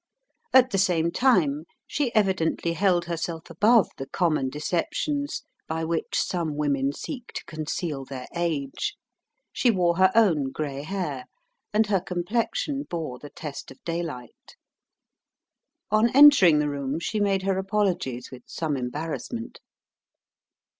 At the same time she evidently held herself above the common deceptions by which some women seek to conceal their age. She wore her own gray hair, and her complexion bore the test of daylight. On entering the room, she made her apologies with some embarrassment.